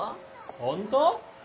ホント？